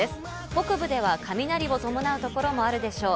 北部では雷を伴うところもあるでしょう。